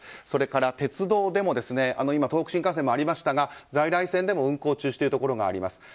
それから鉄道でも東北新幹線でもありましたが在来線でも運行中止というところがあります。